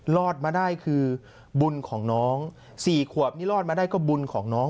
รอดมาได้คือบุญของน้อง๔ขวบนี่รอดมาได้ก็บุญของน้อง